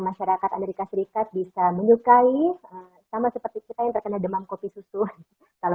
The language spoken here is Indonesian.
masyarakat amerika serikat bisa menyukai sama seperti kita yang terkena demam kopi susu kalau